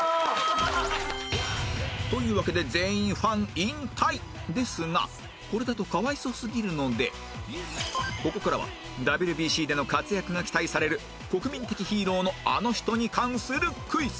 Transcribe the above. というわけで全員ファン引退ですがこれだとかわいそうすぎるのでここからは ＷＢＣ での活躍が期待される国民的ヒーローのあの人に関するクイズ